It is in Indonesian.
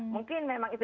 mungkin memang itu